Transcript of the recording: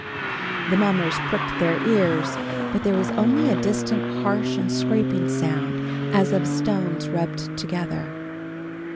The mummers pricked their ears, but there was only a distant harsh and scraping sound, as of stones rubbed together.